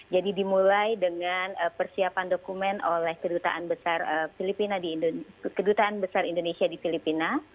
jadi dimulai dengan persiapan dokumen oleh kedutaan besar indonesia di filipina